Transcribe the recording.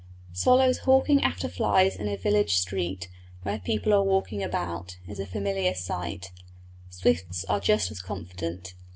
Swallows hawking after flies in a village street, where people are walking about, is a familiar sight, Swifts are just as confident.